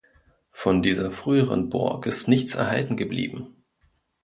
Von dieser früheren Burg ist nichts erhalten geblieben.